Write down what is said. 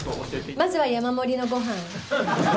まずは山盛りのごはん。